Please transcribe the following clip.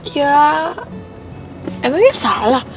ya emangnya salah